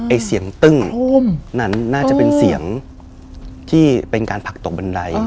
ไอ้เสียงตึ้งนั้นน่าจะเป็นเสียงที่เป็นการผลักตกบันได